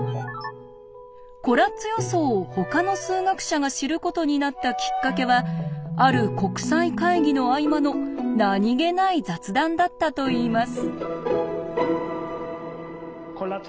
コラッツ予想をほかの数学者が知ることになったきっかけはある国際会議の合間の何気ない雑談だったといいます。